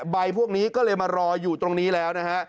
พวกนี้ก็เลยมารออยู่ตรงนี้แล้วนะฮะ